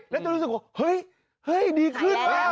แล้วจะรู้สึกว่าเฮ้ยดีขึ้น